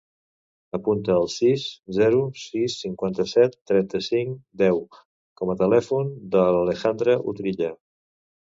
Apunta el sis, zero, sis, cinquanta-set, trenta-cinc, deu com a telèfon de l'Alejandra Utrilla.